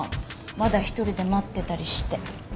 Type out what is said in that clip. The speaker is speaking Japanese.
まだ一人で待ってたりして。